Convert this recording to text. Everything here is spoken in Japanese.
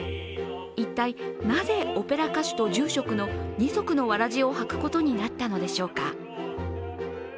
一体なぜ、オペラ歌手と住職の二足のわらじを履くことになったのでしょうか？